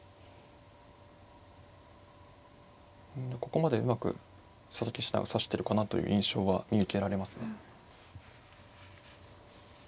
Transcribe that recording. ここまでうまく佐々木七段は指してるかなという印象は見受けられますね。